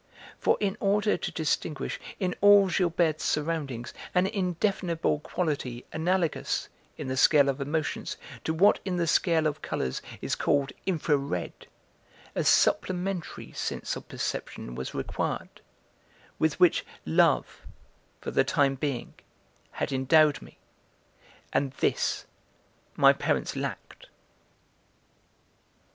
For in order to distinguish in all Gilberte's surroundings an indefinable quality analogous, in the scale of emotions, to what in the scale of colours is called infra red, a supplementary sense of perception was required, with which love, for the time being, had endowed me; and this my parents lacked.